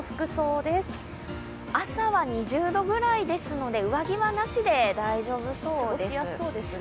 朝は２０度ぐらいですので、上着はなしで大丈夫そうです。